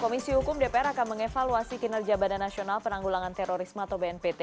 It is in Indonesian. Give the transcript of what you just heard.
komisi hukum dpr akan mengevaluasi kinerja badan nasional penanggulangan terorisme atau bnpt